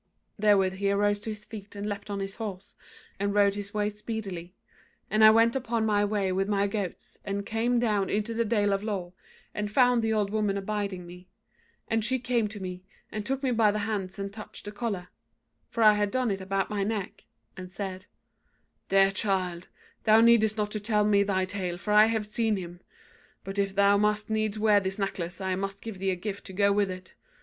"Therewith he arose to his feet and leapt on his horse, and rode his ways speedily: and I went upon my way with my goats, and came down into the Dale of Lore, and found the old woman abiding me; and she came to me, and took me by the hands, and touched the collar (for I had done it about my neck), and said: "'Dear child, thou needest not to tell me thy tale, for I have seen him. But if thou must needs wear this necklace, I must give thee a gift to go with it.